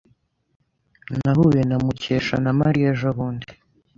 Nahuye na Mukesha na Mariya ejobundi.